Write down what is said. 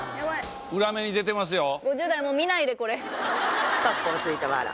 裏目に出てますよ。